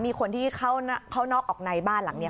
มีคนที่เข้านอกออกในบ้านหลังนี้